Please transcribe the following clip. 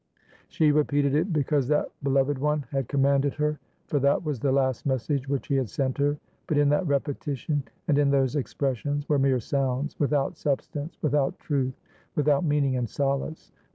She repeated it because that beloved one had commanded her, for that was the last message which he had sent her; but in that repetition and in those expressions were mere sounds, without substance, without truth, without meaning and solace.